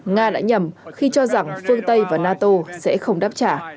nga đã nhầm khi cho rằng phương tây và nato sẽ không đáp trả